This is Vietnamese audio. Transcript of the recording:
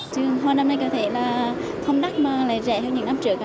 chợ hoa năm nay có thể là không đắt mà lại rẻ hơn những năm trước à